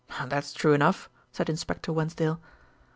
"That's true enough," said Inspector Wensdale.